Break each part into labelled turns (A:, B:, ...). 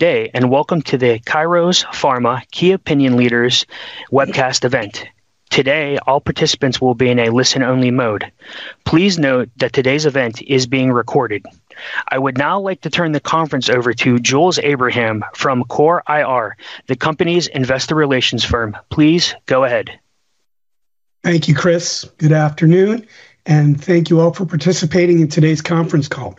A: Welcome to the Kairos Pharma Key Opinion Leaders Webcast Event. Today, all participants will be in a listen-only mode. Please note that today's event is being recorded. I would now like to turn the conference over to Jules Abraham from CORE IR, the company's investor relations firm. Please go ahead.
B: Thank you, Chris. Good afternoon, and thank you all for participating in today's conference call.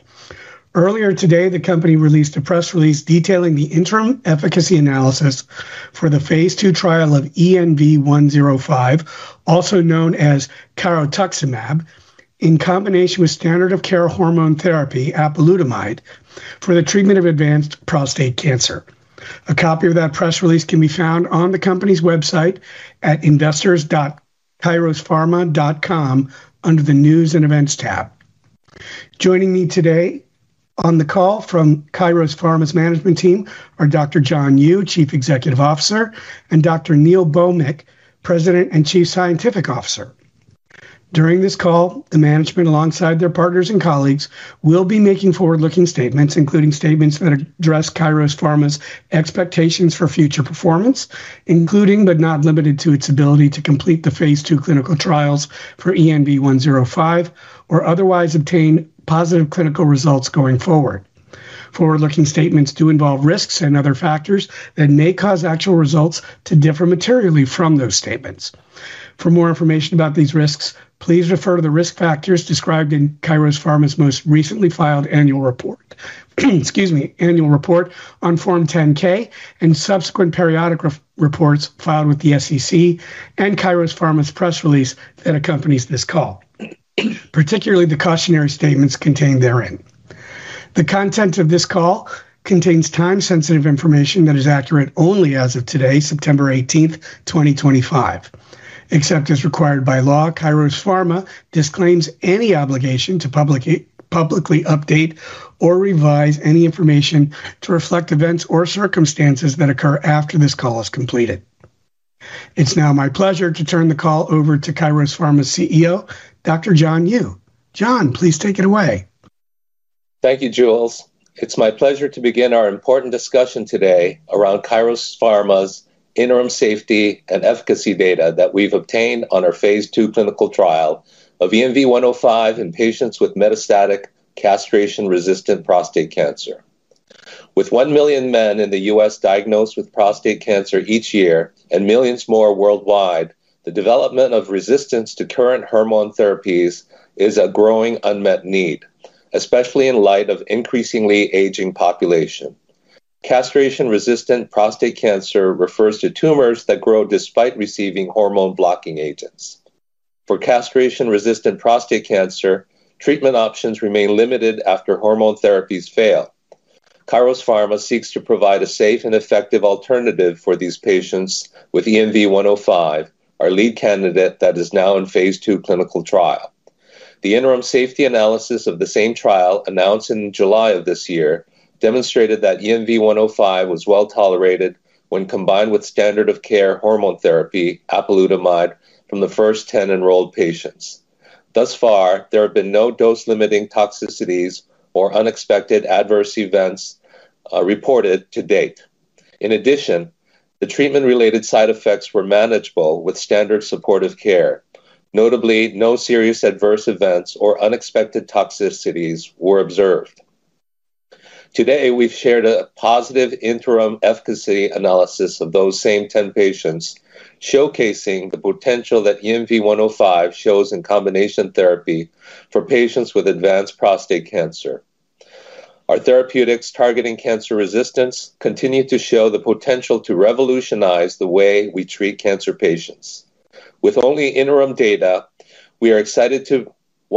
B: Earlier today, the company released a press release detailing the interim efficacy analysis for the phase II trial of ENV105, also known as carotuximab, in combination with standard of care hormone therapy, apalutamide, for the treatment of advanced prostate cancer. A copy of that press release can be found on the company's website at investors.kairospharma.com under the News and Events tab. Joining me today on the call from Kairos Pharma's management team are Dr. John Yu, Chief Executive Officer, and Dr. Neil Bhowmick, President and Chief Scientific Officer. During this call, the management, alongside their partners and colleagues, will be making forward-looking statements, including statements that address Kairos Pharma's expectations for future performance, including but not limited to its ability to complete the phase II clinical trials for ENV105 or otherwise obtain positive clinical results going forward. Forward-looking statements do involve risks and other factors that may cause actual results to differ materially from those statements. For more information about these risks, please refer to the risk factors described in Kairos Pharma's most recently filed annual report on Form 10-K and subsequent periodic reports filed with the SEC and Kairos Pharma's press release that accompanies this call, particularly the cautionary statements contained therein. The content of this call contains time-sensitive information that is accurate only as of today, September 18, 2025. Except as required by law, Kairos Pharma disclaims any obligation to publicly update or revise any information to reflect events or circumstances that occur after this call is completed. It's now my pleasure to turn the call over to Kairos Pharma's CEO, Dr. John Yu. John, please take it away.
C: Thank you, Jules. It's my pleasure to begin our important discussion today around Kairos Pharma's interim safety and efficacy data that we've obtained on our phase II clinical trial of ENV105 in patients with metastatic castration-resistant prostate cancer. With 1 million men in the U.S. diagnosed with prostate cancer each year and millions more worldwide, the development of resistance to current hormone therapies is a growing unmet need, especially in light of an increasingly aging population. Castration-resistant prostate cancer refers to tumors that grow despite receiving hormone-blocking agents. For castration-resistant prostate cancer, treatment options remain limited after hormone therapies fail. Kairos Pharma seeks to provide a safe and effective alternative for these patients with ENV105, our lead candidate that is now in phase II clinical trial. The interim safety analysis of the same trial, announced in July of this year, demonstrated that ENV105 was well tolerated when combined with standard of care hormone therapy, apalutamide, from the first 10 enrolled patients. Thus far, there have been no dose-limiting toxicities or unexpected adverse events reported to date. In addition, the treatment-related side effects were manageable with standard supportive care. Notably, no serious adverse events or unexpected toxicities were observed. Today, we've shared a positive interim efficacy analysis of those same 10 patients, showcasing the potential that ENV105 shows in combination therapy for patients with advanced prostate cancer. Our therapeutics targeting cancer resistance continue to show the potential to revolutionize the way we treat cancer patients. With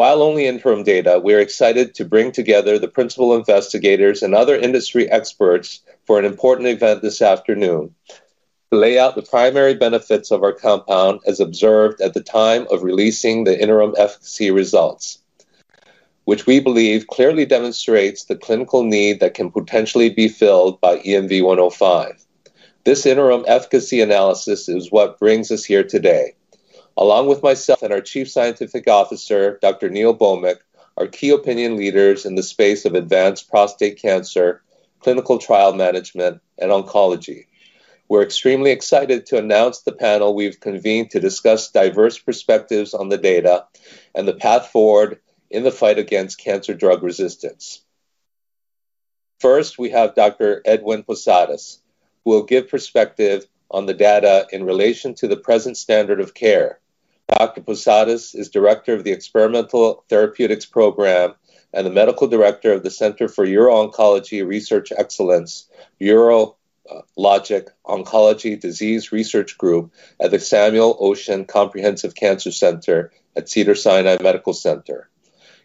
C: only interim data, we are excited to bring together the principal investigators and other industry experts for an important event this afternoon to lay out the primary benefits of our compound, as observed at the time of releasing the interim efficacy results, which we believe clearly demonstrates the clinical need that can potentially be filled by ENV105. This interim efficacy analysis is what brings us here today, along with myself and our Chief Scientific Officer, Dr. Neil Bhowmick, our key opinion leaders in the space of advanced prostate cancer, clinical trial management, and oncology. We're extremely excited to announce the panel we've convened to discuss diverse perspectives on the data and the path forward in the fight against cancer drug resistance. First, we have Dr. Edwin Posadas, who will give perspective on the data in relation to the present standard of care. Dr. Posadas is Director of the Experimental Therapeutics Program and the Medical Director of the Center for Urologic Oncology Research Excellence, Urologic Oncology Disease Research Group at the Samuel Oschin Comprehensive Cancer Center at Cedars-Sinai Medical Center.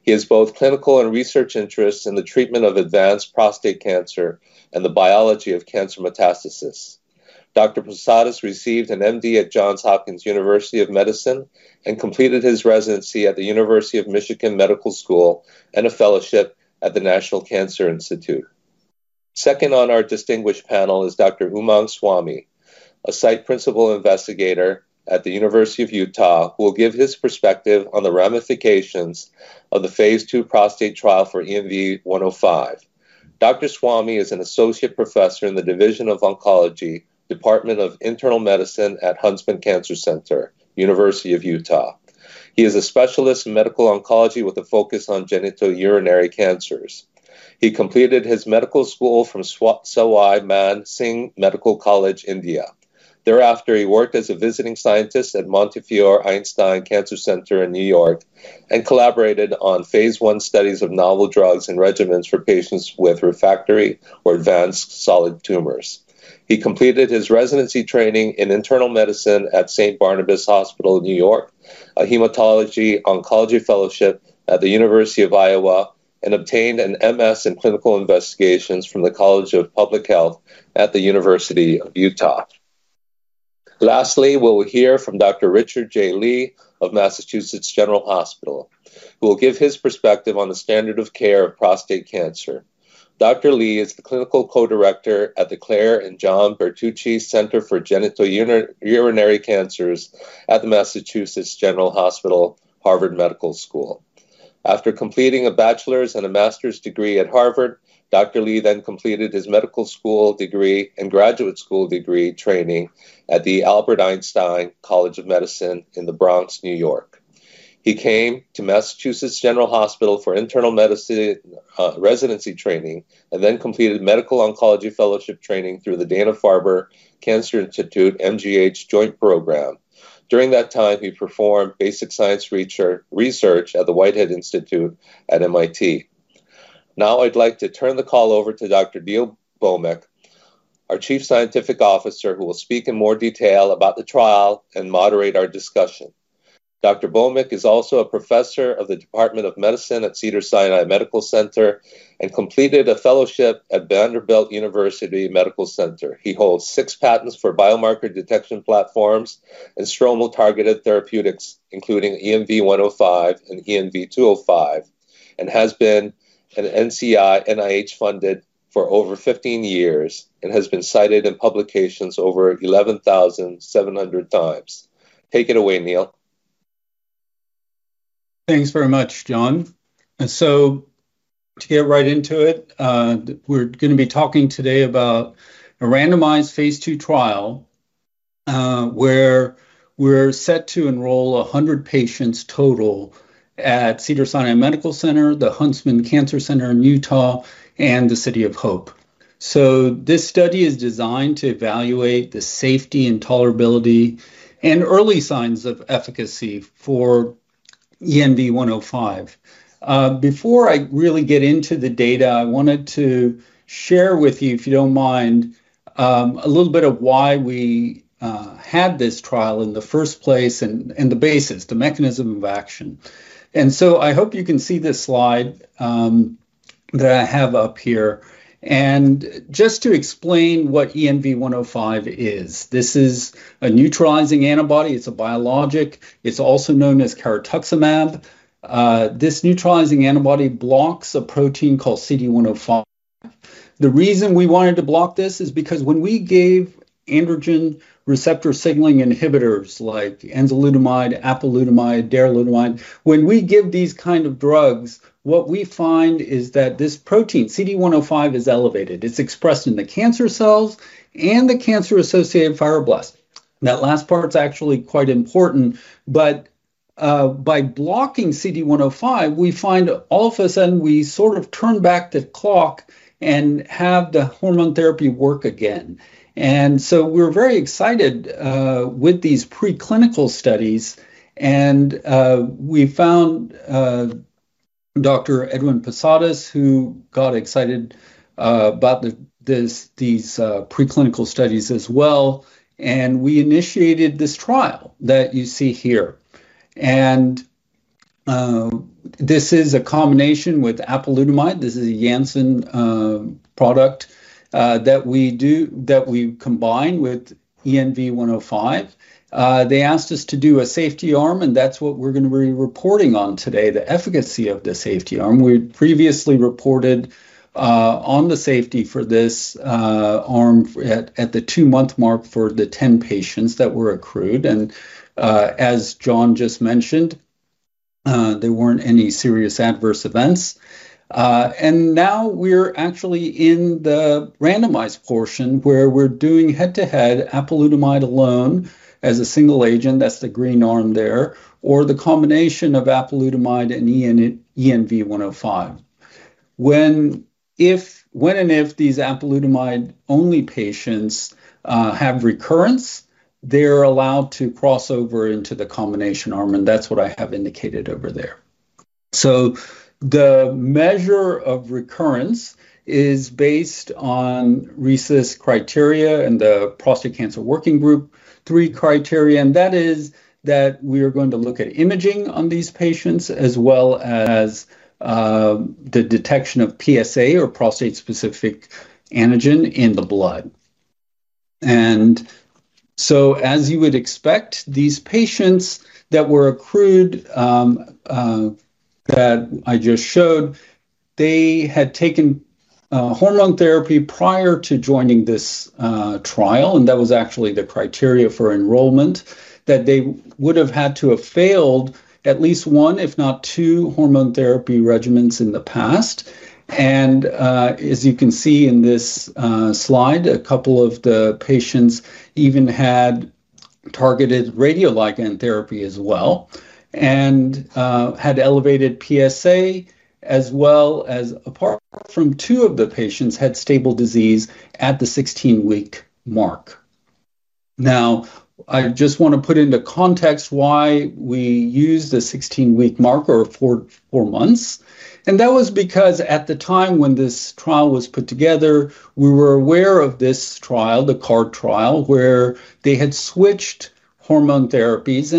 C: He has both clinical and research interests in the treatment of advanced prostate cancer and the biology of cancer metastasis. Dr. Posadas received an MD at Johns Hopkins University School of Medicine and completed his residency at the University of Michigan Medical School and a fellowship at the National Cancer Institute. Second on our distinguished panel is Dr. Umang Swamy, a site principal investigator at the University of Utah, who will give his perspective on the ramifications of the phase II prostate trial for ENV105. Dr. Swamy is an Associate Professor in the Division of Oncology, Department of Internal Medicine at Huntsman Cancer Center, University of Utah. He is a specialist in medical oncology with a focus on genitourinary cancers. He completed his medical school from Sawai Man Singh Medical College, India. Thereafter, he worked as a visiting scientist at Montefiore Einstein Cancer Center in New York and collaborated on phase I studies of novel drugs and regimens for patients with refractory or advanced solid tumors. He completed his residency training in internal medicine at St. Barnabas Hospital in New York, a hematology oncology fellowship at the University of Iowa, and obtained an MS in clinical investigations from the College of Public Health at the University of Utah. Lastly, we'll hear from Dr. Richard J. Lee of Massachusetts General Hospital, who will give his perspective on the standard of care of prostate cancer. Dr. Lee is the Clinical Co-Director at the Claire and John Bertucci Center for Genitourinary Cancers at Massachusetts General Hospital, Harvard Medical School. After completing a bachelor's and a master's degree at Harvard, Dr. Lee then completed his medical school degree and graduate school degree training at the Albert Einstein College of Medicine in the Bronx, New York. He came to Massachusetts General Hospital for internal medicine residency training and then completed medical oncology fellowship training through the Dana-Farber Cancer Institute MGH Joint Program. During that time, he performed basic science research at the Whitehead Institute at MIT. Now I'd like to turn the call over to Dr. Neil Bhowmick, our Chief Scientific Officer, who will speak in more detail about the trial and moderate our discussion. Dr. Bhowmick is also a Professor of the Department of Medicine at Cedars-Sinai Medical Center and completed a fellowship at Vanderbilt University Medical Center. He holds six patents for biomarker detection platforms and stromal targeted therapeutics, including ENV105 and ENV205, and has been NCI/NIH funded for over 15 years and has been cited in publications over 11,700 times. Take it away, Neil.
D: Thanks very much, John. To get right into it, we're going to be talking today about a randomized phase II trial where we're set to enroll 100 patients total at Cedars-Sinai Medical Center, the Huntsman Cancer Center in Utah, and the City of Hope. This study is designed to evaluate the safety and tolerability and early signs of efficacy for ENV105. Before I really get into the data, I wanted to share with you, if you don't mind, a little bit of why we had this trial in the first place and the basis, the mechanism of action. I hope you can see this slide that I have up here. Just to explain what ENV105 is, this is a neutralizing antibody. It's a biologic. It's also known as carotuximab. This neutralizing antibody blocks a protein called CD105. The reason we wanted to block this is because when we gave androgen receptor signaling inhibitors like enzalutamide, apalutamide, darolutamide, when we give these kinds of drugs, what we find is that this protein, CD105, is elevated. It's expressed in the cancer cells and the cancer-associated fibroblasts. That last part is actually quite important. By blocking CD105, we find all of a sudden we sort of turn back the clock and have the hormone therapy work again. We're very excited with these preclinical studies. We found Dr. Edwin Posadas, who got excited about these preclinical studies as well. We initiated this trial that you see here. This is a combination with apalutamide. This is a Janssen product that we combine with ENV105. They asked us to do a safety arm, and that's what we're going to be reporting on today, the efficacy of the safety arm. We previously reported on the safety for this arm at the two-month mark for the 10 patients that were accrued. As John just mentioned, there weren't any serious adverse events. Now we're actually in the randomized portion where we're doing head-to-head apalutamide alone as a single agent. That's the green arm there, or the combination of apalutamide and ENV105. When and if these apalutamide-only patients have recurrence, they're allowed to cross over into the combination arm, and that's what I have indicated over there. The measure of recurrence is based on RECIST criteria and the Prostate Cancer Working Group 3 criteria. That is that we are going to look at imaging on these patients, as well as the detection of PSA or prostate-specific antigen in the blood. As you would expect, these patients that were accrued that I just showed, they had taken hormone therapy prior to joining this trial. That was actually the criteria for enrollment, that they would have had to have failed at least one, if not two, hormone therapy regimens in the past. As you can see in this slide, a couple of the patients even had targeted radioligand therapy as well and had elevated PSA, as well as, apart from two of the patients, had stable disease at the 16-week mark. I just want to put into context why we use the 16-week marker for four months. That was because at the time when this trial was put together, we were aware of this trial, the CARD trial, where they had switched hormone therapies.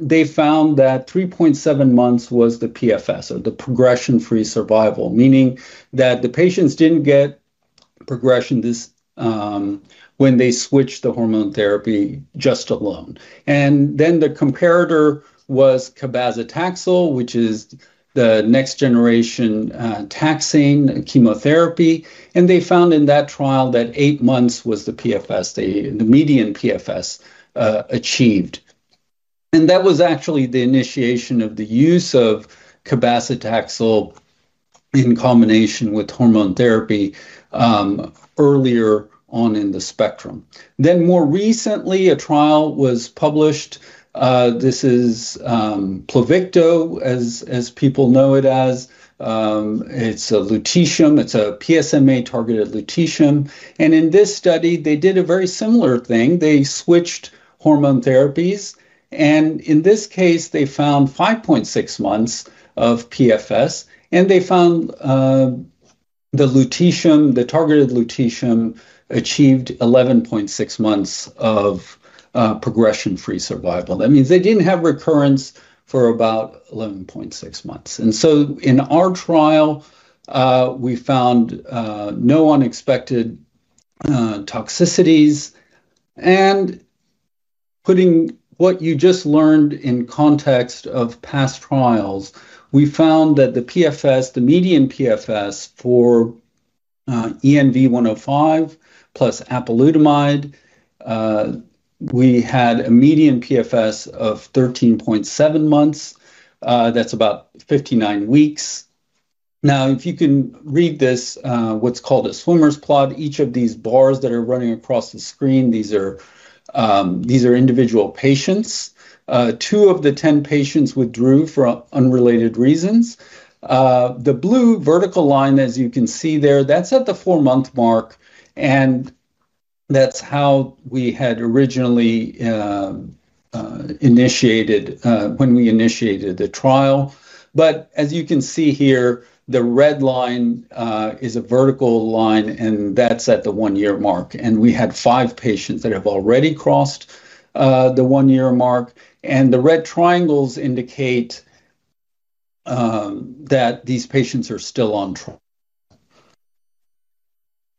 D: They found that 3.7 months was the PFS, or the progression-free survival, meaning that the patients didn't get progression when they switched the hormone therapy just alone. The comparator was cabazitaxel, which is the next-generation taxane chemotherapy. They found in that trial that eight months was the PFS, the median PFS achieved. That was actually the initiation of the use of cabazitaxel in combination with hormone therapy earlier on in the spectrum. More recently, a trial was published. This is Pluvicto, as people know it as. It's a lutetium. It's a PSMA-targeted lutetium. In this study, they did a very similar thing. They switched hormone therapies. In this case, they found 5.6 months of PFS. They found the lutetium, the targeted lutetium, achieved 11.6 months of progression-free survival. That means they didn't have recurrence for about 11.6 months. In our trial, we found no unexpected toxicities. Putting what you just learned in context of past trials, we found that the PFS, the median PFS for ENV105 plus apalutamide, we had a median PFS of 13.7 months. That's about 59 weeks. If you can read this, what's called a swimmer's plot, each of these bars that are running across the screen, these are individual patients. Two of the 10 patients withdrew for unrelated reasons. The blue vertical line, as you can see there, that's at the four-month mark. That's how we had originally initiated when we initiated the trial. As you can see here, the red line is a vertical line, and that's at the one-year mark. We had five patients that have already crossed the one-year mark. The red triangles indicate that these patients are still on trial.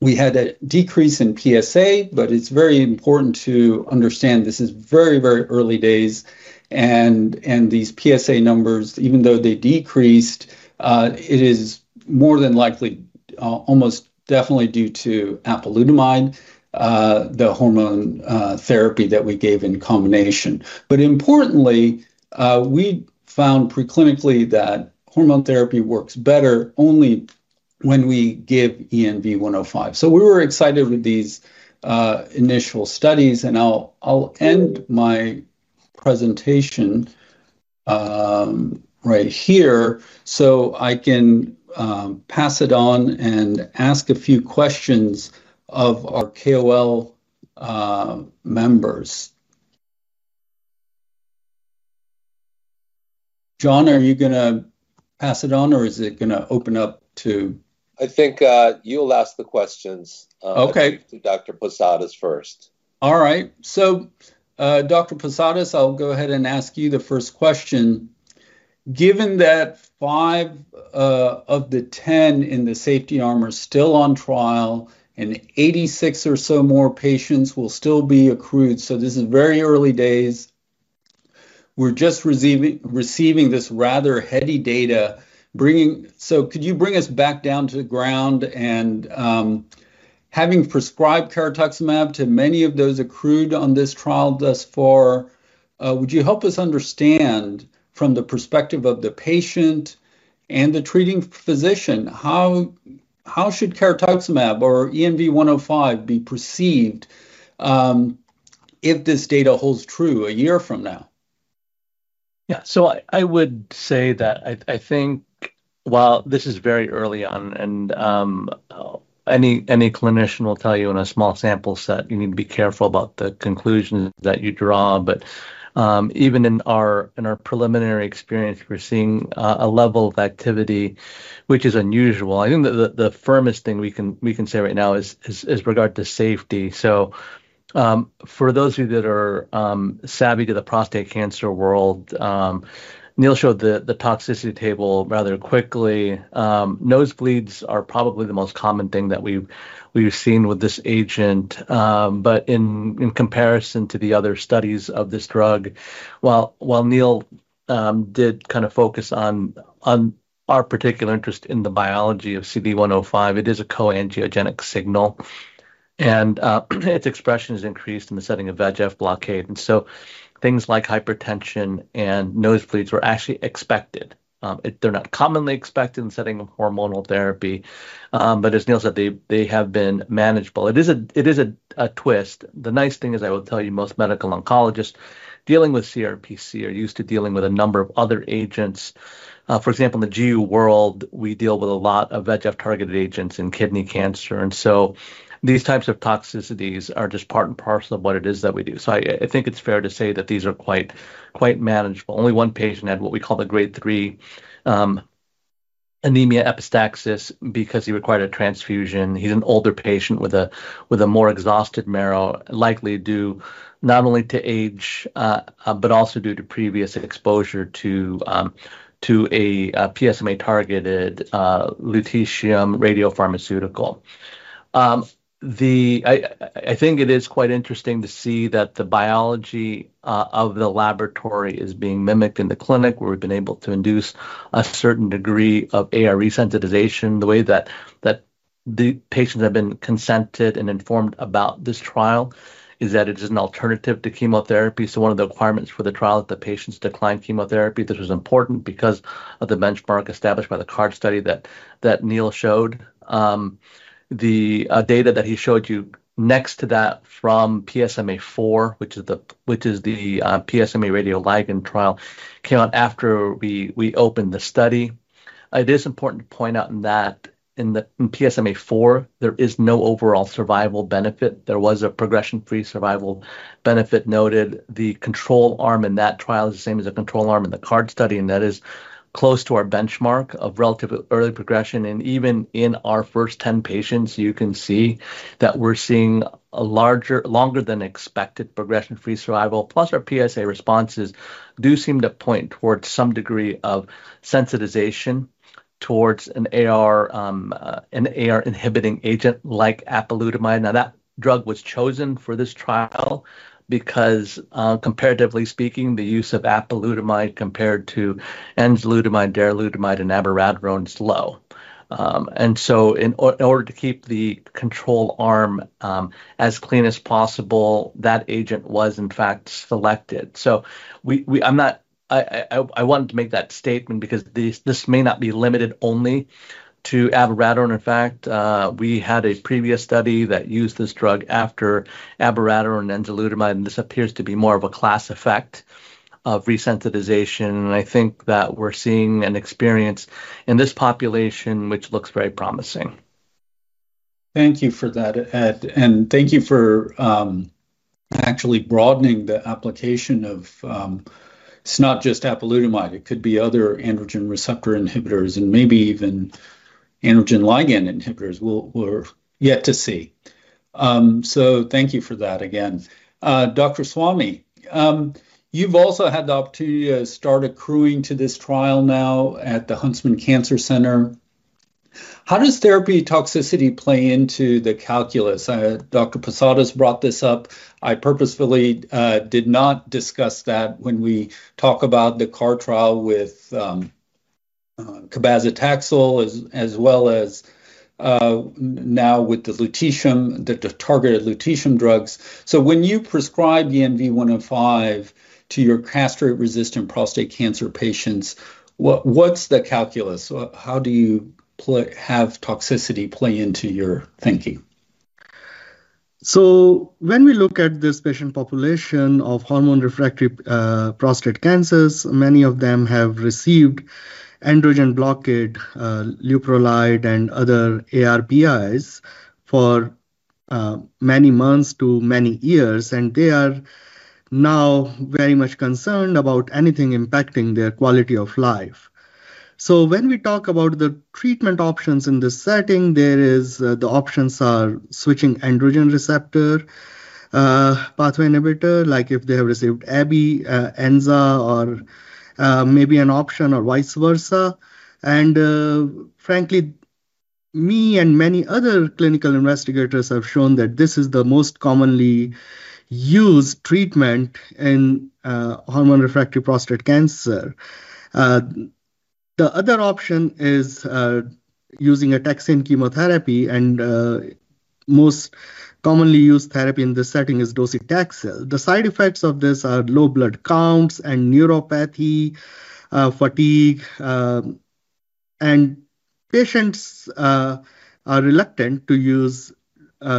D: We had a decrease in PSA, but it's very important to understand this is very, very early days. These PSA numbers, even though they decreased, it is more than likely, almost definitely due to apalutamide, the hormone therapy that we gave in combination. Importantly, we found preclinically that hormone therapy works better only when we give ENV105. We were excited with these initial studies. I'll end my presentation right here so I can pass it on and ask a few questions of our KOL members. John, are you going to pass it on, or is it going to open up to?
C: I think you'll ask the questions.
D: OK.
C: To Dr. Posadas first.
D: All right. Dr. Posadas, I'll go ahead and ask you the first question. Given that five of the 10 in the safety arm are still on trial and 86 or so more patients will still be accrued, this is very early days, we're just receiving this rather heady data. Could you bring us back down to the ground and, having prescribed carotuximab to many of those accrued on this trial thus far, would you help us understand from the perspective of the patient and the treating physician how should carotuximab or ENV105 be perceived if this data holds true a year from now?
E: I would say that I think, while this is very early on, and any clinician will tell you in a small sample set, you need to be careful about the conclusions that you draw. Even in our preliminary experience, we're seeing a level of activity, which is unusual. I think the firmest thing we can say right now is in regard to safety. For those of you that are savvy to the prostate cancer world, Neil showed the toxicity table rather quickly. Nosebleeds are probably the most common thing that we've seen with this agent. In comparison to the other studies of this drug, while Neil did focus on our particular interest in the biology of CD105, it is a co-angiogenic signal. Its expression is increased in the setting of VEGF blockade, so things like hypertension and nosebleeds were actually expected. They're not commonly expected in the setting of hormonal therapy, but as Neil said, they have been manageable. It is a twist. The nice thing is, I will tell you, most medical oncologists dealing with CRPC are used to dealing with a number of other agents. For example, in the GU world, we deal with a lot of VEGF-targeted agents in kidney cancer, and these types of toxicities are just part and parcel of what it is that we do. I think it's fair to say that these are quite manageable. Only one patient had what we call the grade 3 anemia epistaxis because he required a transfusion. He's an older patient with a more exhausted marrow, likely due not only to age, but also due to previous exposure to a PSMA-targeted lutetium radiopharmaceutical. I think it is quite interesting to see that the biology of the laboratory is being mimicked in the clinic, where we've been able to induce a certain degree of ARE sensitization. The way that the patients have been consented and informed about this trial is that it is an alternative to chemotherapy. One of the requirements for the trial is that the patients decline chemotherapy. This was important because of the benchmark established by the CARD study that Neil showed. The data that he showed you next to that from PSMA4, which is the PSMA radioligand trial, came out after we opened the study. It is important to point out that in PSMA4, there is no overall survival benefit. There was a progression-free survival benefit noted. The control arm in that trial is the same as the control arm in the CARD study, and that is close to our benchmark of relative early progression. Even in our first 10 patients, you can see that we're seeing a longer than expected progression-free survival. Plus, our PSA responses do seem to point towards some degree of sensitization towards an AR-inhibiting agent like apalutamide. That drug was chosen for this trial because, comparatively speaking, the use of apalutamide compared to enzalutamide, darolutamide, and abiraterone is low. In order to keep the control arm as clean as possible, that agent was, in fact, selected. I wanted to make that statement because this may not be limited only to abiraterone. In fact, we had a previous study that used this drug after abiraterone and enzalutamide. This appears to be more of a class effect of resensitization. I think that we're seeing an experience in this population, which looks very promising.
D: Thank you for that. Thank you for actually broadening the application of it's not just apalutamide. It could be other androgen receptor inhibitors and maybe even androgen ligand inhibitors. We're yet to see. Thank you for that again. Dr. Swamy, you've also had the opportunity to start accruing to this trial now at the Huntsman Cancer Center. How does therapy toxicity play into the calculus? Dr. Posadas brought this up. I purposefully did not discuss that when we talk about the CARD trial with cabazitaxel, as well as now with the lutetium, the targeted lutetium drugs. When you prescribe ENV105 to your castrate-resistant prostate cancer patients, what's the calculus? How do you have toxicity play into your thinking?
F: When we look at this patient population of hormone-refractory prostate cancers, many of them have received androgen blockade, leuprolide, and other ARPIs for many months to many years. They are now very much concerned about anything impacting their quality of life. When we talk about the treatment options in this setting, the options are switching androgen receptor pathway inhibitor, like if they have received ABI, ENZA, or maybe an option or vice versa. Frankly, me and many other clinical investigators have shown that this is the most commonly used treatment in hormone-refractory prostate cancer. The other option is using a taxane chemotherapy, and the most commonly used therapy in this setting is docetaxel. The side effects of this are low blood counts, neuropathy, and fatigue. Patients are reluctant to use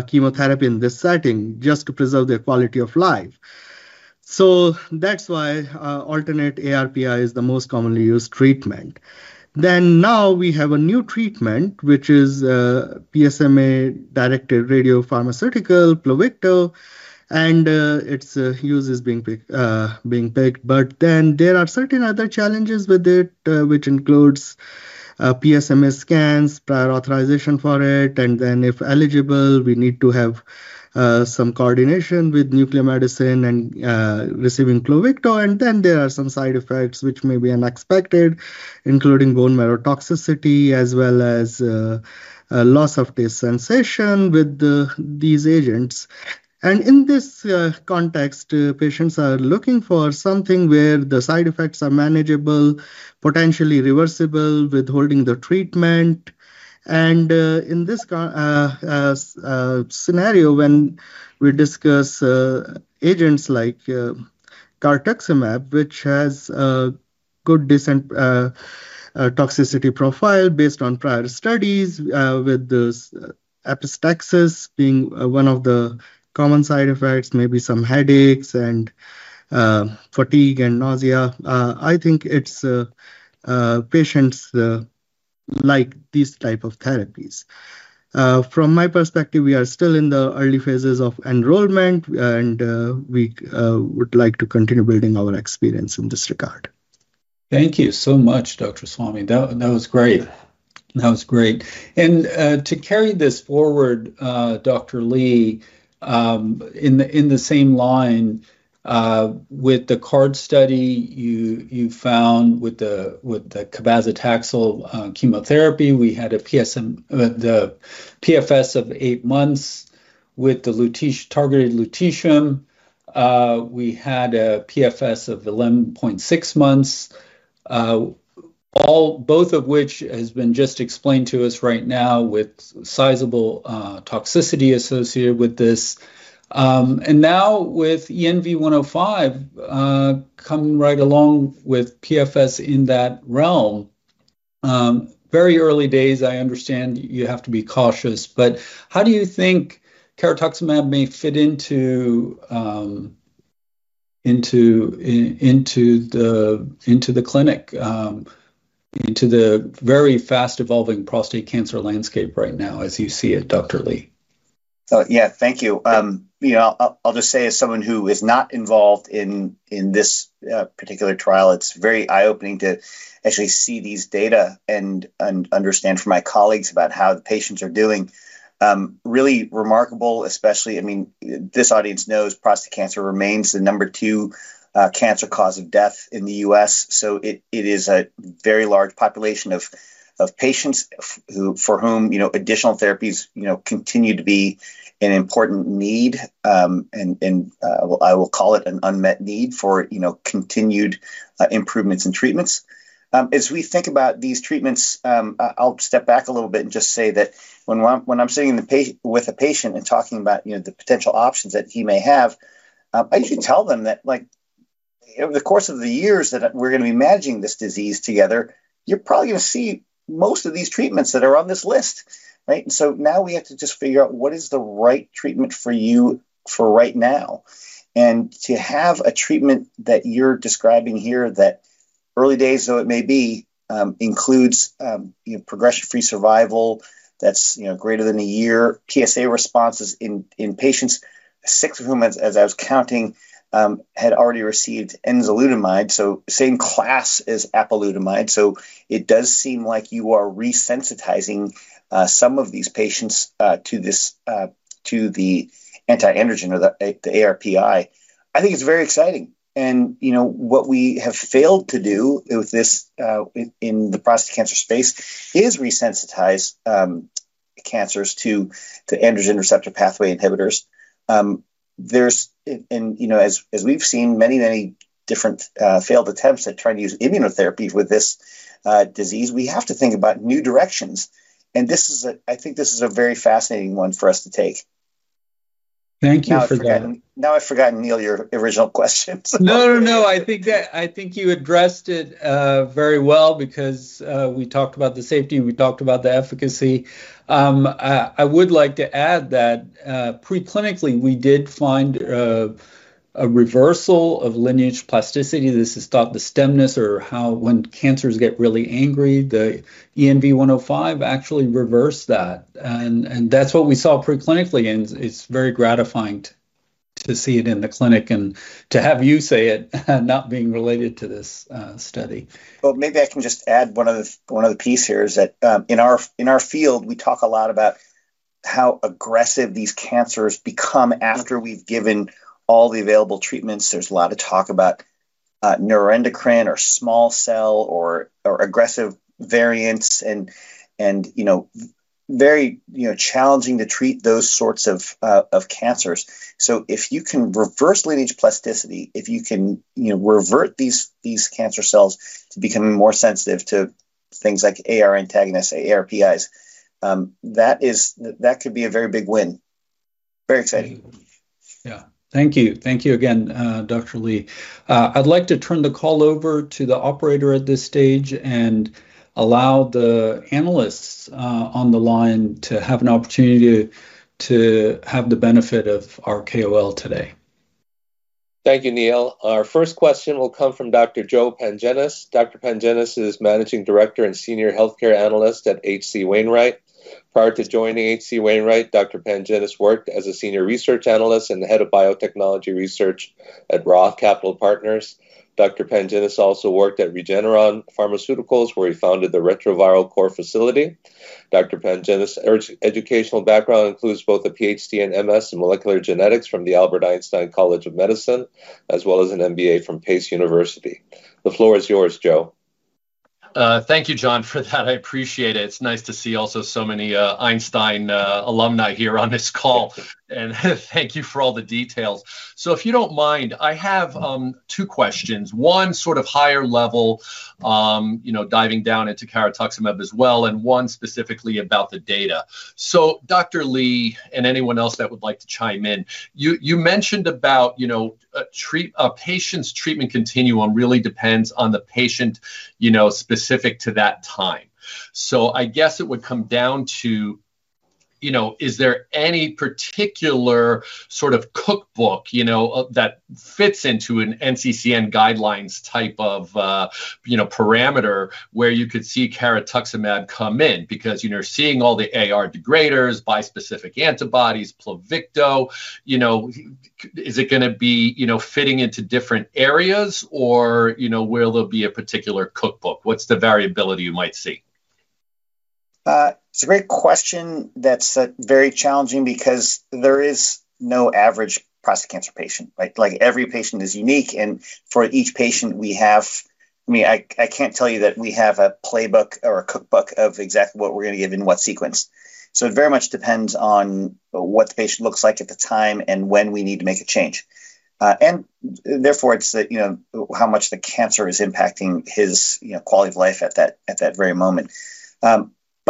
F: chemotherapy in this setting just to preserve their quality of life. That's why alternate ARPI is the most commonly used treatment. Now we have a new treatment, which is PSMA-directed radiopharmaceutical, Pluvicto, and its use is being picked. There are certain other challenges with it, which include PSMA scans and prior authorization for it. If eligible, we need to have some coordination with nuclear medicine and receiving Pluvicto. There are some side effects which may be unexpected, including bone marrow toxicity as well as loss of taste sensation with these agents. In this context, patients are looking for something where the side effects are manageable, potentially reversible withholding the treatment. In this scenario, when we discuss agents like carotuximab, which has a good toxicity profile based on prior studies, with epistaxis being one of the common side effects, maybe some headaches, fatigue, and nausea, I think patients like these types of therapies. From my perspective, we are still in the early phases of enrollment, and we would like to continue building our experience in this regard.
D: Thank you so much, Dr. Swamy. That was great. To carry this forward, Dr. Lee, in the same line with the CARD study, you found with the cabazitaxel chemotherapy, we had a PFS of 8 months. With the targeted lutetium, we had a PFS of 11.6 months, both of which have been just explained to us right now with sizable toxicity associated with this. Now with ENV105 coming right along with PFS in that realm, very early days, I understand you have to be cautious. How do you think carotuximab may fit into the clinic, into the very fast-evolving prostate cancer landscape right now, as you see it, Dr. Lee?
G: Oh, yeah. Thank you. I'll just say, as someone who is not involved in this particular trial, it's very eye-opening to actually see these data and understand from my colleagues about how the patients are doing. Really remarkable, especially, I mean, this audience knows prostate cancer remains the number two cancer cause of death in the U.S. It is a very large population of patients for whom additional therapies continue to be an important need, and I will call it an unmet need for continued improvements in treatments. As we think about these treatments, I'll step back a little bit and just say that when I'm sitting with a patient and talking about the potential options that he may have, I usually tell them that over the course of the years that we're going to be managing this disease together, you're probably going to see most of these treatments that are on this list. Now we have to just figure out what is the right treatment for you for right now. To have a treatment that you're describing here that early days, though it may be, includes progression-free survival that's greater than a year, PSA responses in patients, six of whom, as I was counting, had already received enzalutamide, so same class as apalutamide. It does seem like you are resensitizing some of these patients to the antiandrogen or the ARPI. I think it's very exciting. What we have failed to do with this in the prostate cancer space is resensitize cancers to the androgen receptor pathway inhibitors. As we've seen many, many different failed attempts at trying to use immunotherapy with this disease, we have to think about new directions. I think this is a very fascinating one for us to take.
D: Thank you for that.
G: Now I've forgotten, Neil, your original question.
D: I think you addressed it very well because we talked about the safety. We talked about the efficacy. I would like to add that preclinically, we did find a reversal of lineage plasticity. This is thought the stemness or when cancers get really angry. The ENV105 actually reversed that. That's what we saw preclinically. It's very gratifying to see it in the clinic and to have you say it not being related to this study.
G: In our field, we talk a lot about how aggressive these cancers become after we've given all the available treatments. There's a lot of talk about neuroendocrine or small cell or aggressive variants, and very challenging to treat those sorts of cancers. If you can reverse lineage plasticity, if you can revert these cancer cells to become more sensitive to things like AR antagonists, ARPIs, that could be a very big win. Very exciting.
D: Thank you. Thank you again, Dr. Lee. I'd like to turn the call over to the operator at this stage and allow the analysts on the line to have an opportunity to have the benefit of our KOL today.
C: Thank you, Neil. Our first question will come from Dr. Joe Pantginis. Dr. Pantginis is Managing Director and Senior Health Care Analyst at H.C. Wainwright. Prior to joining H.C. Wainwright, Dr. Pantginis worked as a Senior Research Analyst and the Head of Biotechnology Research at Roth Capital Partners. Dr. Pantginis also worked at Regeneron Pharmaceuticals, where he founded the Retroviral Core Facility. Dr. Pantginis' educational background includes both a PhD in MS and Molecular Genetics from the Albert Einstein College of Medicine, as well as an MBA from Pace University. The floor is yours, Joe.
H: Thank you, John, for that. I appreciate it. It's nice to see also so many Einstein alumni here on this call. Thank you for all the details. If you don't mind, I have two questions, one sort of higher level, diving down into carotuximab as well, and one specifically about the data. Dr. Lee and anyone else that would like to chime in, you mentioned about a patient's treatment continuum really depends on the patient specific to that time. I guess it would come down to, is there any particular sort of cookbook that fits into an NCCN guidelines type of parameter where you could see carotuximab come in? Because you're seeing all the AR degraders, bispecific antibodies, Pluvicto. Is it going to be fitting into different areas, or will there be a particular cookbook? What's the variability you might see?
G: It's a great question that's very challenging because there is no average prostate cancer patient. Every patient is unique. For each patient, we have, I mean, I can't tell you that we have a playbook or a cookbook of exactly what we're going to give in what sequence. It very much depends on what the patient looks like at the time and when we need to make a change. It is how much the cancer is impacting his quality of life at that very moment.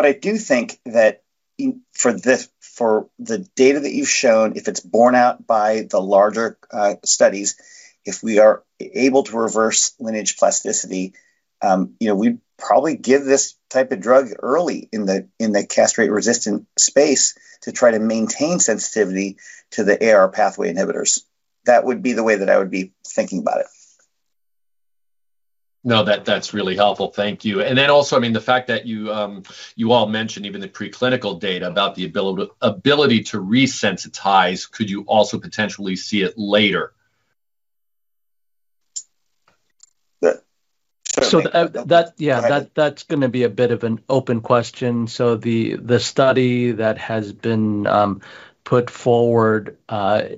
G: I do think that for the data that you've shown, if it's borne out by the larger studies, if we are able to reverse lineage plasticity, we'd probably give this type of drug early in the castrate-resistant space to try to maintain sensitivity to the AR pathway inhibitors. That would be the way that I would be thinking about it.
H: No, that's really helpful. Thank you. The fact that you all mentioned even the preclinical data about the ability to resensitize, could you also potentially see it later?
E: Yeah. That is going to be a bit of an open question. The study that has been put forward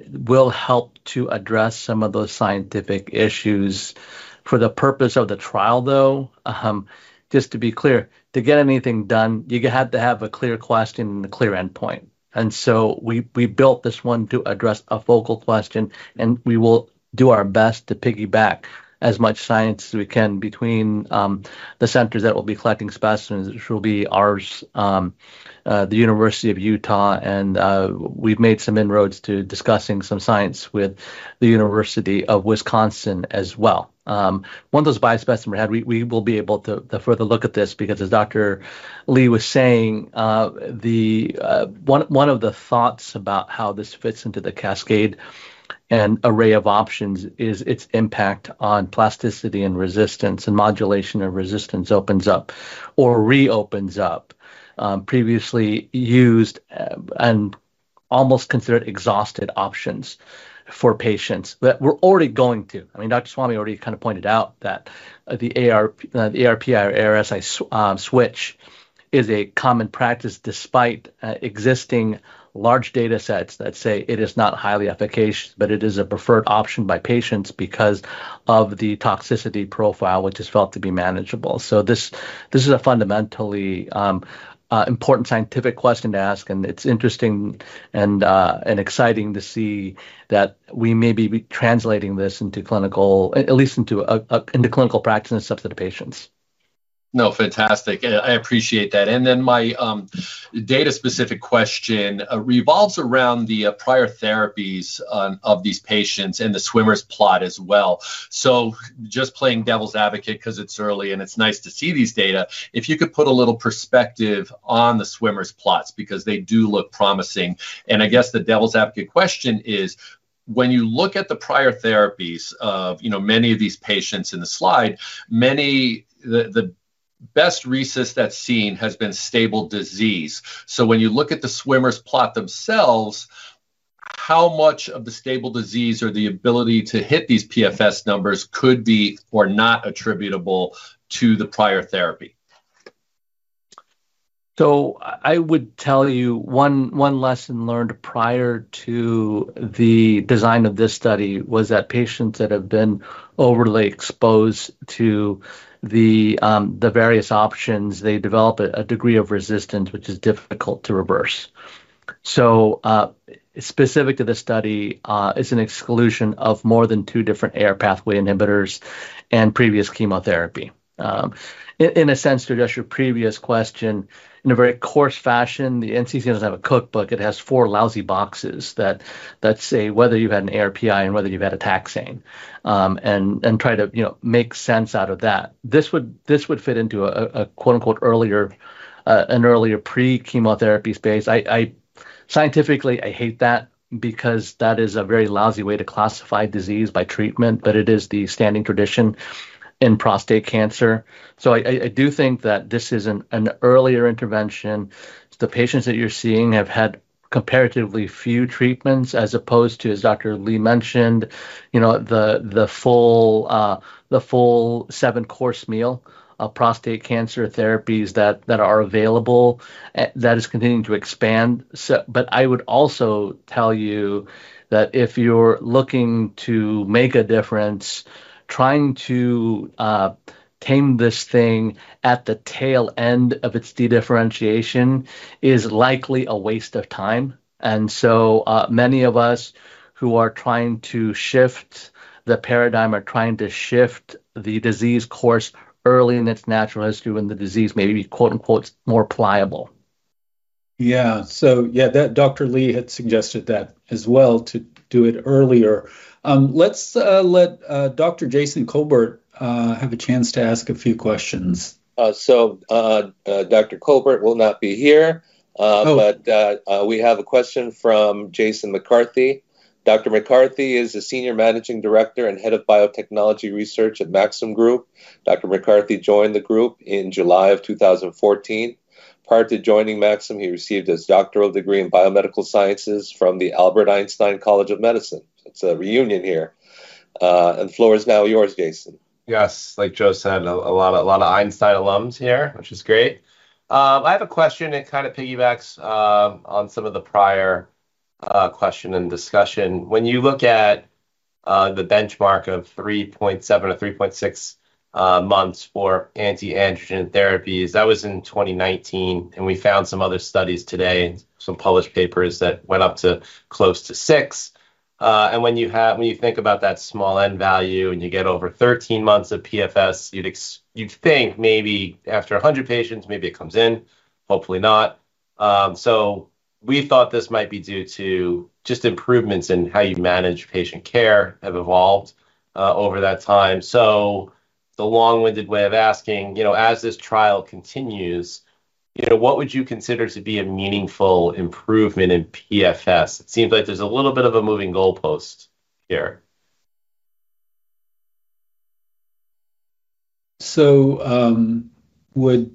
E: will help to address some of those scientific issues. For the purpose of the trial, though, just to be clear, to get anything done, you have to have a clear question and a clear endpoint. We built this one to address a focal question. We will do our best to piggyback as much science as we can between the centers that will be collecting specimens, which will be ours, the University of Utah. We have made some inroads to discussing some science with the University of Wisconsin as well. Once those biospecimens are had, we will be able to further look at this because, as Dr. Lee was saying, one of the thoughts about how this fits into the cascade and array of options is its impact on plasticity and resistance, and modulation of resistance opens up or reopens up previously used and almost considered exhausted options for patients that we are already going to. Dr. Swamy already kind of pointed out that the ARPI or ARSI switch is a common practice despite existing large data sets that say it is not highly efficacious, but it is a preferred option by patients because of the toxicity profile, which is felt to be manageable. This is a fundamentally important scientific question to ask. It is interesting and exciting to see that we may be translating this into clinical practice and stuff to the patients.
H: No, fantastic. I appreciate that. My data-specific question revolves around the prior therapies of these patients and the swimmer's plot as well. Just playing devil's advocate because it's early and it's nice to see these data, if you could put a little perspective on the swimmer's plots because they do look promising. I guess the devil's advocate question is, when you look at the prior therapies of many of these patients in the slide, the best RECIST that's seen has been stable disease. When you look at the swimmer's plot themselves, how much of the stable disease or the ability to hit these PFS numbers could be or not attributable to the prior therapy?
E: I would tell you one lesson learned prior to the design of this study was that patients that have been overly exposed to the various options develop a degree of resistance, which is difficult to reverse. Specific to the study, it's an exclusion of more than two different androgen receptor pathway inhibitors and previous chemotherapy. In a sense, to address your previous question, in a very coarse fashion, the NCCN doesn't have a cookbook. It has four lousy boxes that say whether you've had an ARPI and whether you've had a taxane, and try to make sense out of that. This would fit into an "earlier pre-chemotherapy space." Scientifically, I hate that because that is a very lousy way to classify disease by treatment, but it is the standing tradition in prostate cancer. I do think that this is an earlier intervention. The patients that you're seeing have had comparatively few treatments, as opposed to, as Dr. Lee mentioned, the full seven-course meal of prostate cancer therapies that are available, that is continuing to expand. I would also tell you that if you're looking to make a difference, trying to tame this thing at the tail end of its dedifferentiation is likely a waste of time. Many of us who are trying to shift the paradigm are trying to shift the disease course early in its natural history when the disease may be "more pliable."
D: Dr. Lee had suggested that as well, to do it earlier. Let's let Dr. Jason Colbert have a chance to ask a few questions.
C: Dr. Colbert will not be here. We have a question from Jason McCarthy. Dr. McCarthy is the Senior Managing Director and Head of Biotechnology Research at Maxim Group. Dr. McCarthy joined the group in July of 2014. Prior to joining Maxim, he received his doctoral degree in biomedical sciences from the Albert Einstein College of Medicine. It's a reunion here. The floor is now yours, Jason.
I: Yes. Like Joe said, a lot of Einstein alums here, which is great. I have a question. It kind of piggybacks on some of the prior question and discussion. When you look at the benchmark of 3.7 or 3.6 months for antiandrogen therapies, that was in 2019. We found some other studies today, some published papers that went up to close to six. When you think about that small n-value and you get over 13 months of PFS, you'd think maybe after 100 patients, maybe it comes in. Hopefully not. We thought this might be due to just improvements in how you manage patient care have evolved over that time. The long-winded way of asking, as this trial continues, what would you consider to be a meaningful improvement in PFS? It seems like there's a little bit of a moving goalpost here.
D: Would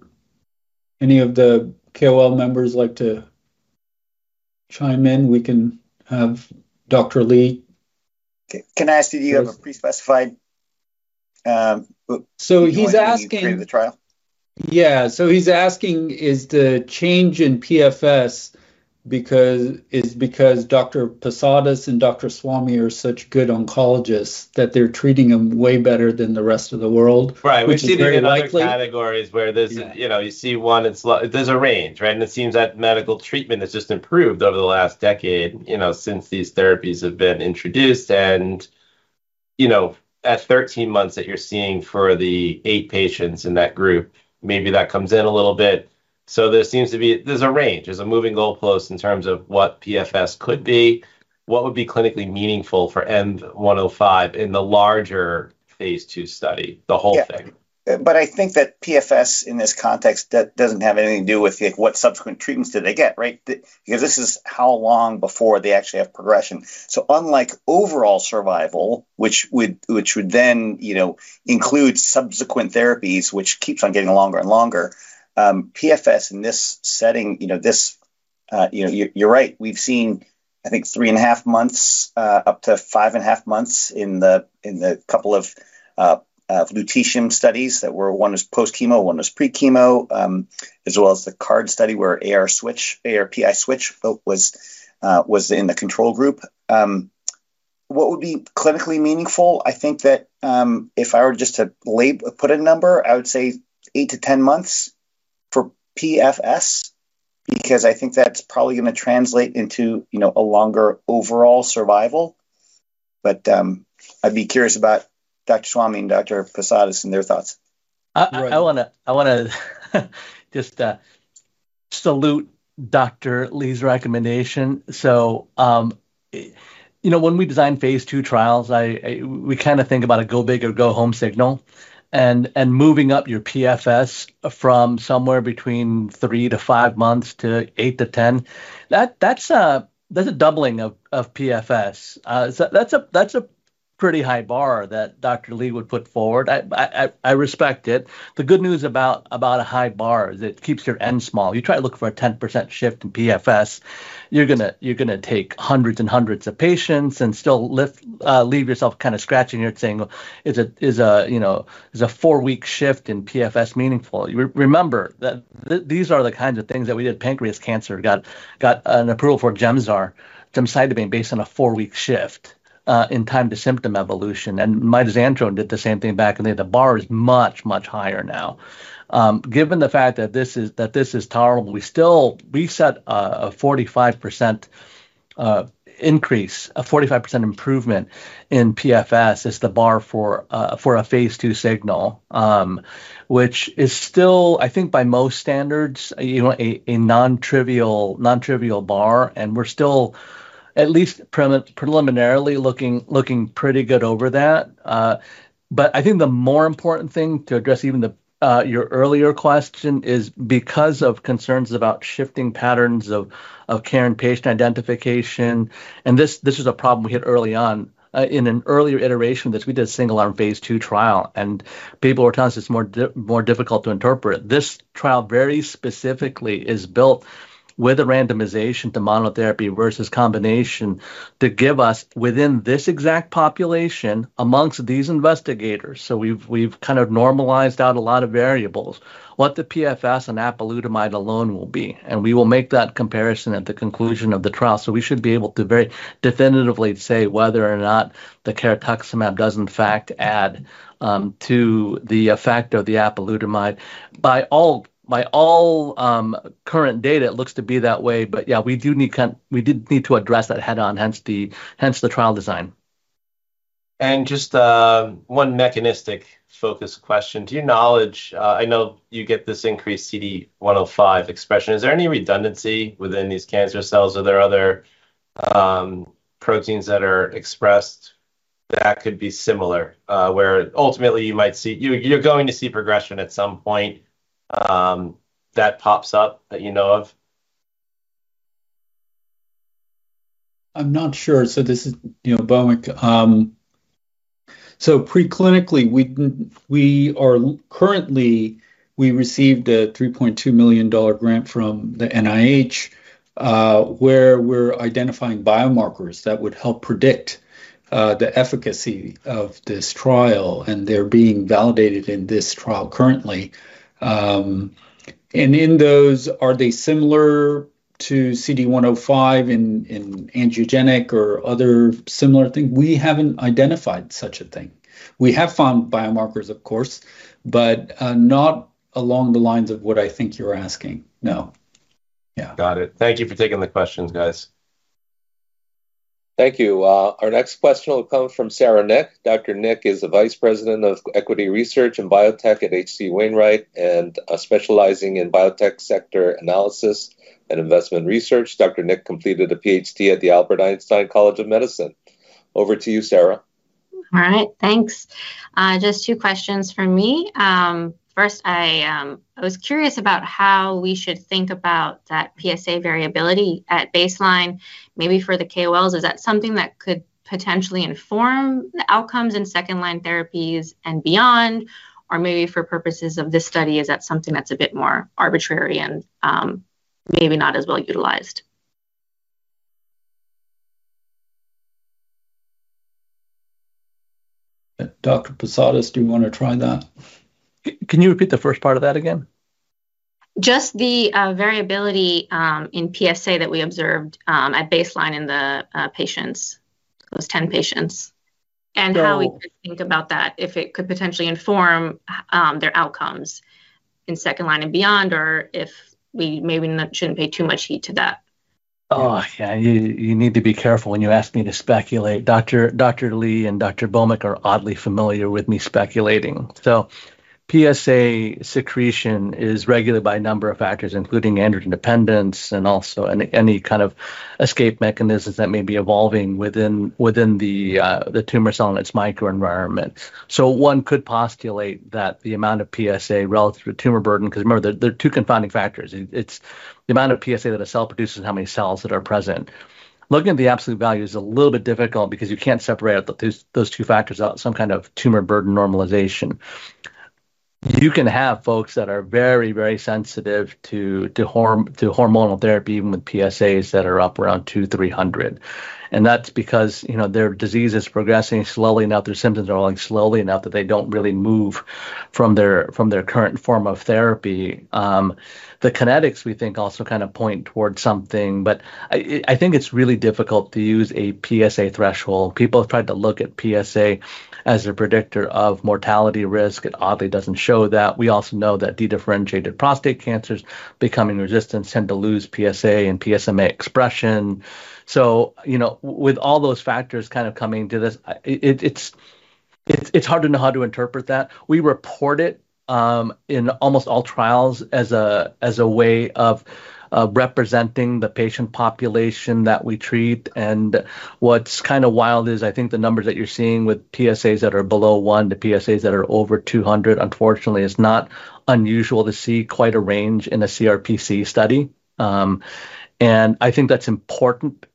D: any of the KOL members like to chime in? We can have Dr. Lee.
G: Can I ask you, do you have a pre-specified?
D: He's asking.
G: The trial?
D: Yeah. He's asking, is the change in PFS because Dr. Posadas and Dr. Swamy are such good oncologists that they're treating them way better than the rest of the world?
I: Right. We see them in different categories where you see one, there's a range, right? It seems that medical treatment has just improved over the last decade since these therapies have been introduced. At 13 months that you're seeing for the eight patients in that group, maybe that comes in a little bit. There seems to be a range. There's a moving goalpost in terms of what PFS could be, what would be clinically meaningful for ENV105 in the larger phase II study, the whole thing.
G: Yeah. I think that PFS in this context doesn't have anything to do with what subsequent treatments they get, right? This is how long before they actually have progression. Unlike overall survival, which would then include subsequent therapies, which keeps on getting longer and longer, PFS in this setting, you're right. We've seen, I think, 3.5 months up to 5.5 months in the couple of lutetium studies. One was post-chemo, one was pre-chemo, as well as the CARD study where ARPI switch was in the control group. What would be clinically meaningful? I think that if I were just to put a number, I would say eight to 10 months for PFS because I think that's probably going to translate into a longer overall survival. I'd be curious about Dr. Swamy and Dr. Posadas and their thoughts.
E: I want to just salute Dr. Lee's recommendation. When we design phase II trials, we kind of think about a go big or go home signal. Moving up your PFS from somewhere between three to five months to eight to 10, that's a doubling of PFS. That's a pretty high bar that Dr. Lee would put forward. I respect it. The good news about a high bar is it keeps your n small. You try to look for a 10% shift in PFS, you're going to take hundreds and hundreds of patients and still leave yourself kind of scratching your head saying, is a four-week shift in PFS meaningful? Remember that these are the kinds of things that we did in pancreas cancer. We got an approval for Gemzar, gemcitabine, based on a four-week shift in time to symptom evolution. Mitoxantrone did the same thing back then. The bar is much, much higher now. Given the fact that this is tolerable, we've set a 45% increase, a 45% improvement in PFS as the bar for a phase II signal, which is still, I think, by most standards, a non-trivial bar. We're still at least preliminarily looking pretty good over that. I think the more important thing to address, even your earlier question, is because of concerns about shifting patterns of care and patient identification. This is a problem we hit early on in an earlier iteration of this. We did a single-arm phase II trial. People were telling us it's more difficult to interpret. This trial very specifically is built with a randomization to monotherapy versus combination to give us, within this exact population, amongst these investigators, so we've kind of normalized out a lot of variables, what the PFS on apalutamide alone will be. We will make that comparison at the conclusion of the trial. We should be able to very definitively say whether or not the carotuximab does, in fact, add to the effect of the apalutamide. By all current data, it looks to be that way. We did need to address that head-on, hence the trial design.
I: Just one mechanistic focus question. To your knowledge, I know you get this increased CD105 expression. Is there any redundancy within these cancer cells? Are there other proteins that are expressed that could be similar, where ultimately you might see you're going to see progression at some point that pops up that you know of?
D: I'm not sure. This is Bhowmick. Preclinically, we are currently, we received a $3.2 million grant from the NIH where we're identifying biomarkers that would help predict the efficacy of this trial. They're being validated in this trial currently. In those, are they similar to CD105 in angiogenic or other similar things? We haven't identified such a thing. We have found biomarkers, of course, but not along the lines of what I think you're asking. No.
I: Yeah, got it. Thank you for taking the questions, guys.
C: Thank you. Our next question will come from Sara Nik. Dr. Nik is the Vice President of Equity Research and Biotech at H.C. Wainwright, specializing in biotech sector analysis and investment research. Dr. Nik completed a PhD at the Albert Einstein College of Medicine. Over to you, Sara.
J: All right. Thanks. Just two questions from me. First, I was curious about how we should think about that PSA variability at baseline, maybe for the KOLs. Is that something that could potentially inform the outcomes in second-line therapies and beyond? Or maybe for purposes of this study, is that something that's a bit more arbitrary and maybe not as well utilized?
D: Dr. Posadas, do you want to try that?
E: Can you repeat the first part of that again?
J: Just the variability in PSA that we observed at baseline in those 10 patients, and how we could think about that, if it could potentially inform their outcomes in second line and beyond, or if we maybe shouldn't pay too much heed to that.
E: Oh, yeah. You need to be careful when you ask me to speculate. Dr. Lee and Dr. Bhowmick are oddly familiar with me speculating. PSA secretion is regulated by a number of factors, including androgen dependence and also any kind of escape mechanisms that may be evolving within the tumor cell and its microenvironment. One could postulate that the amount of PSA relative to tumor burden, because remember, there are two confounding factors. It's the amount of PSA that a cell produces and how many cells are present. Looking at the absolute value is a little bit difficult because you can't separate out those two factors without some kind of tumor burden normalization. You can have folks that are very, very sensitive to hormonal therapy, even with PSAs that are up around 200 or 300. That's because their disease is progressing slowly enough, their symptoms are slowly enough that they don't really move from their current form of therapy. The kinetics, we think, also kind of point towards something. I think it's really difficult to use a PSA threshold. People have tried to look at PSA as a predictor of mortality risk. It oddly doesn't show that. We also know that dedifferentiated prostate cancers becoming resistant tend to lose PSA and PSMA expression. With all those factors coming to this, it's hard to know how to interpret that. We report it in almost all trials as a way of representing the patient population that we treat. What's kind of wild is, I think, the numbers that you're seeing with PSAs that are below one to PSAs that are over 200, unfortunately, it's not unusual to see quite a range in a CRPC study. I think that's important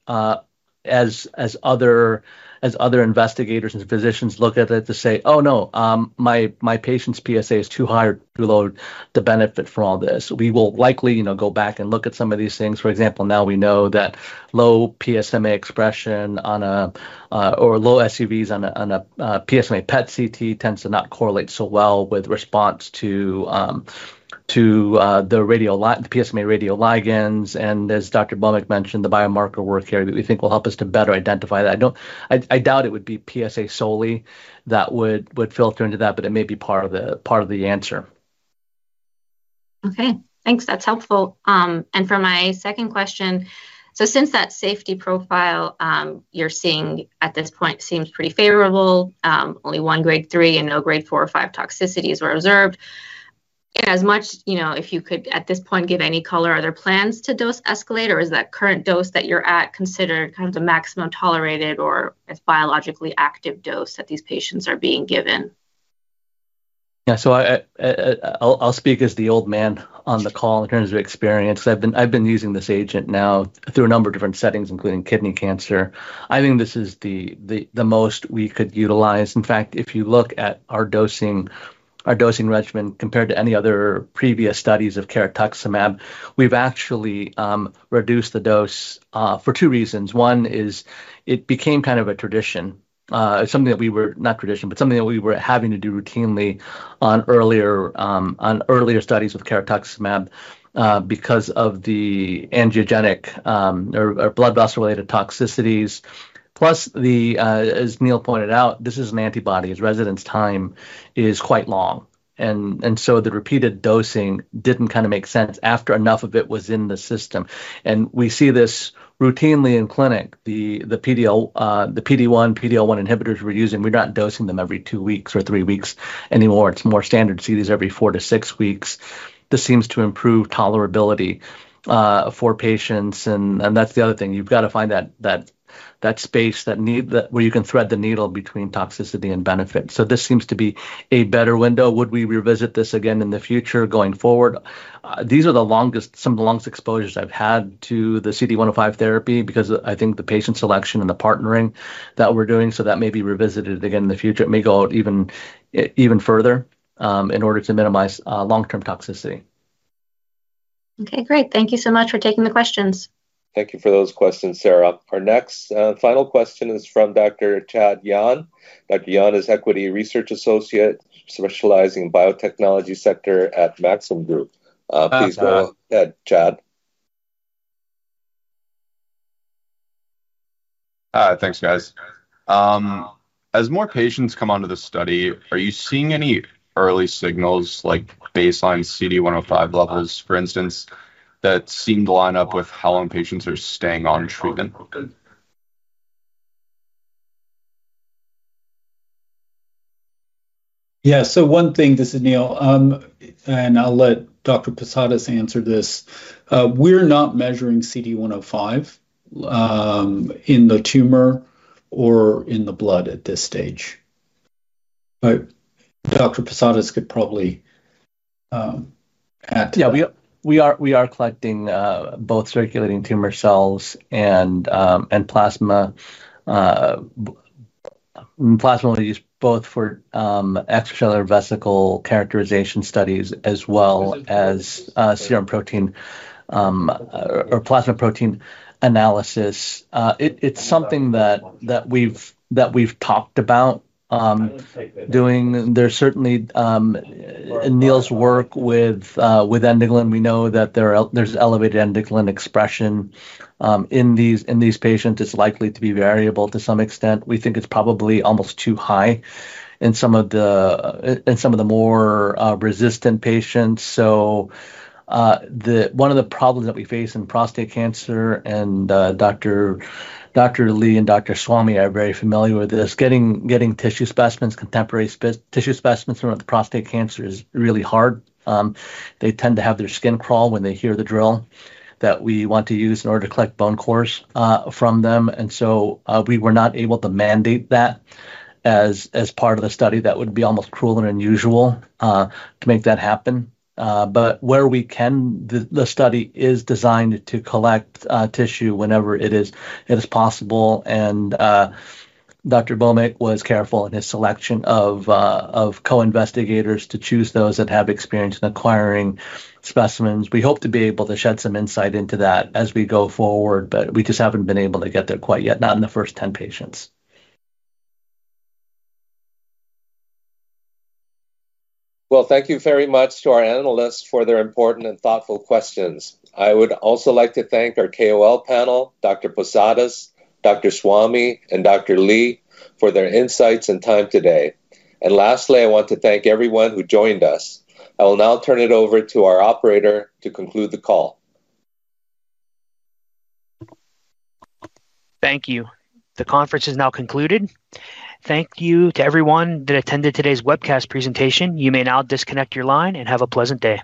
E: as other investigators and physicians look at it to say, oh no, my patient's PSA is too high or too low to benefit from all this. We will likely go back and look at some of these things. For example, now we know that low PSMA expression or low SUVs on a PSMA PET/CT tends to not correlate so well with response to the PSMA radioligands. As Dr. Bhowmick mentioned, the biomarker work here that we think will help us to better identify that. I doubt it would be PSA solely that would filter into that, but it may be part of the answer.
J: OK. Thanks. That's helpful. For my second question, since that safety profile you're seeing at this point seems pretty favorable, only one grade 3 and no grade 4 or 5 toxicities were observed. If you could at this point give any color or other plans to dose escalate, or is that current dose that you're at considered kind of the maximum tolerated or as biologically active dose that these patients are being given?
E: Yeah. I'll speak as the old man on the call in terms of experience. I've been using this agent now through a number of different settings, including kidney cancer. I think this is the most we could utilize. In fact, if you look at our dosing regimen compared to any other previous studies of carotuximab, we've actually reduced the dose for two reasons. One is it became kind of a tradition. It's something that we were not tradition, but something that we were having to do routinely on earlier studies with carotuximab because of the angiogenic or blood-vessel-related toxicities. Plus, as Neil pointed out, this is an antibody. Its residence time is quite long. The repeated dosing didn't kind of make sense after enough of it was in the system. We see this routinely in clinic. The PDL1 inhibitors we're using, we're not dosing them every two weeks or three weeks anymore. It's more standard. We see these every four to six weeks. This seems to improve tolerability for patients. That's the other thing. You've got to find that space where you can thread the needle between toxicity and benefit. This seems to be a better window. Would we revisit this again in the future going forward? These are some of the longest exposures I've had to the CD105 therapy because I think the patient selection and the partnering that we're doing, so that may be revisited again in the future. It may go even further in order to minimize long-term toxicity.
J: OK, great. Thank you so much for taking the questions.
C: Thank you for those questions, Sara. Our next final question is from Dr. Chad Yahn. Dr. Yahn is Equity Research Associate, specializing in the biotechnology sector at Maxim Group. Please go ahead, Chad.
K: Hi. Thanks, guys. As more patients come onto the study, are you seeing any early signals, like baseline CD105 levels, for instance, that seem to line up with how long patients are staying on treatment?
D: Yeah. One thing, this is Neil. I'll let Dr. Posadas answer this. We're not measuring CD105 in the tumor or in the blood at this stage. Dr. Posadas could probably.
E: Yeah. We are collecting both circulating tumor cells and plasma. Plasma will be used both for extracellular vesicle characterization studies as well as serum protein or plasma protein analysis. It's something that we've talked about doing. There's certainly Neil's work with endoglin. We know that there's elevated endoglin expression in these patients. It's likely to be variable to some extent. We think it's probably almost too high in some of the more resistant patients. One of the problems that we face in prostate cancer, and Dr. Lee and Dr. Swamy are very familiar with this, is getting tissue specimens, contemporary tissue specimens from prostate cancer is really hard. They tend to have their skin crawl when they hear the drill that we want to use in order to collect bone cores from them. We were not able to mandate that as part of the study. That would be almost cruel and unusual to make that happen. Where we can, the study is designed to collect tissue whenever it is possible. Dr. Bhowmick was careful in his selection of co-investigators to choose those that have experience in acquiring specimens. We hope to be able to shed some insight into that as we go forward. We just haven't been able to get there quite yet, not in the first 10 patients.
C: Thank you very much to our analysts for their important and thoughtful questions. I would also like to thank our KOL panel, Dr. Posadas, Dr. Swamy, and Dr. Lee, for their insights and time today. Lastly, I want to thank everyone who joined us. I will now turn it over to our operator to conclude the call.
A: Thank you. The conference is now concluded. Thank you to everyone that attended today's webcast presentation. You may now disconnect your line and have a pleasant day.